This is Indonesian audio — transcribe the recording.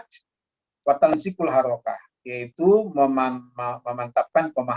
dis stipul intrigued atau internasionalistik untuk menetapkan datang yang berbelahan